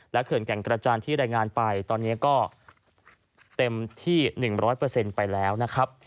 เขื่อนแก่งกระจานที่รายงานไปตอนนี้ก็เต็มที่๑๐๐ไปแล้วนะครับ